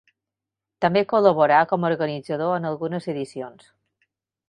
També col·laborà com a organitzador en algunes edicions.